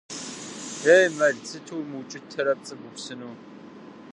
Ей, мэл, сыту умыукӀытэрэ пцӀы быупсыну!